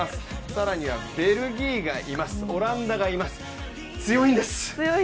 更にはベルギーがいますオランダがいます強いんです。